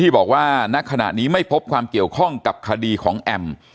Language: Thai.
บอกว่าณขณะนี้ไม่พบความเกี่ยวข้องกับคดีของแอม